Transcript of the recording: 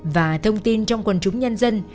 và thông tin trong quần chúng nhân dân